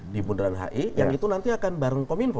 di bundaran hi yang itu nanti akan bareng kominfo